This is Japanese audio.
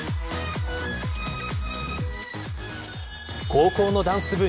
高校のダンス部